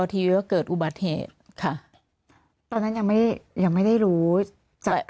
ทีก็เกิดอุบัติเหตุค่ะตอนนั้นยังไม่ยังไม่ได้รู้จาก